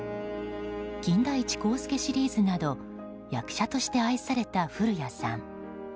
「金田一耕助」シリーズなど役者として愛された古谷さん。